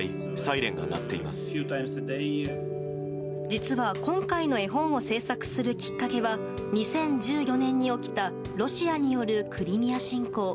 実は今回の絵本を制作するきっかけは２０１４年に起きたロシアによるクリミア侵攻。